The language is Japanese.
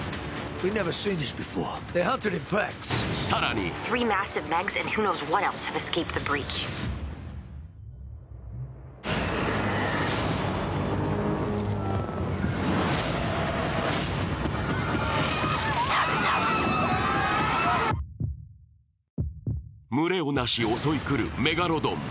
更に群れをなし襲い来るメガロドン。